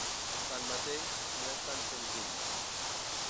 Tanmateix, no és tan senzill.